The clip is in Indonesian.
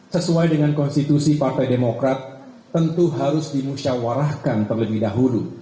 sesuai dengan konstitusi partai demokrat tentu harus dimusyawarahkan terlebih dahulu